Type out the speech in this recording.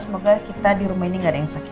semoga kita di rumah ini gak ada yang sakit